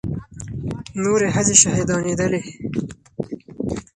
نورې ښځې شهيدانېدلې.